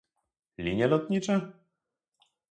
Linie lotnicze?